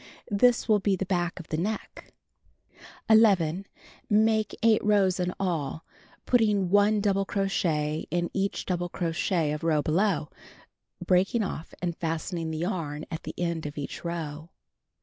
This will be the back of the neck. 11. Make 8 rows in all, putting 1 double crochet in each double crochet of row below, breaking off and fastening the yarn at end of each row.